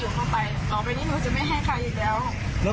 ต้องการตามคุณคราว